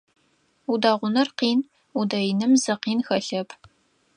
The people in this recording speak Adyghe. Удэгъуныр къин, удэиным зи къин хэлъэп.